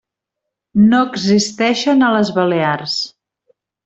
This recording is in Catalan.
No existeixen a les Balears.